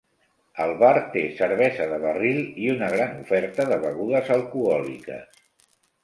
El bar té cervesa de barril i una gran oferta de begudes alcohòliques.